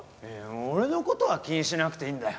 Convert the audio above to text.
俺の事は気にしなくていいんだよ。